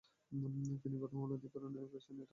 তিনি প্রথম উপলব্ধি করেন এফএ শ্রেণীর ছাত্র থাকাকালীন সময়ে।